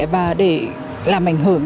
và để làm ảnh hưởng